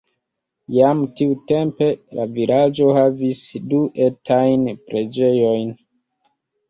Jam tiutempe, la vilaĝo havis du etajn preĝejojn.